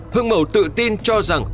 hương mẩu tự tin cho rằng